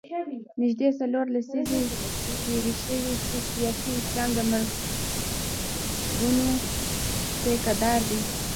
نژدې څلور لسیزې تېرې شوې چې سیاسي اسلام د مرګونو ټیکه دار دی.